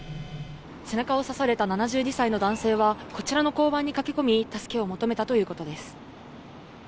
背中を刺された７２歳の男性は、こちらの交番に駆け込み、助けを求めたということです。